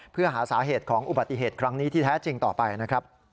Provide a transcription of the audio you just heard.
เพื่อหาสาเหตุของอุบัติเหตุครั้งนี้ที่แท้จริงต่อไปนะครับ